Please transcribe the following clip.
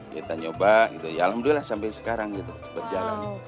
kita nyoba gitu ya alhamdulillah sampai sekarang gitu berjalan